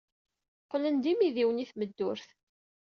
Qqlen d imidiwen i tmeddurt.